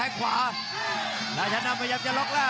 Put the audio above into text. เอรับครับ